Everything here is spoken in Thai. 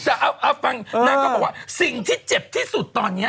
แต่เอาฟังนางก็บอกว่าสิ่งที่เจ็บที่สุดตอนนี้